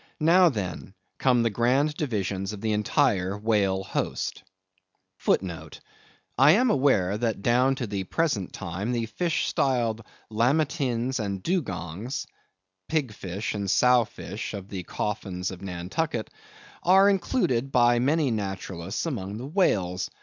Now, then, come the grand divisions of the entire whale host. *I am aware that down to the present time, the fish styled Lamatins and Dugongs (Pig fish and Sow fish of the Coffins of Nantucket) are included by many naturalists among the whales.